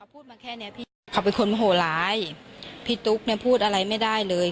พูดมาแค่เนี้ยพี่เขาเป็นคนโหร้ายพี่ตุ๊กเนี่ยพูดอะไรไม่ได้เลย